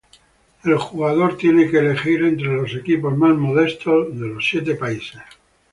El jugador tiene que elegir entre los equipos más modestos de los siete países.